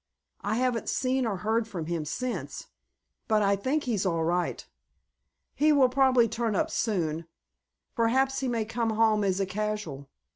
I haven't seen or heard from him since, but I think he's all right. He will probably turn up soon. Perhaps he may come home as a casual.